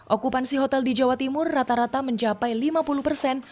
okupansi hotel di jawa timur rata rata mencapai lima puluh persen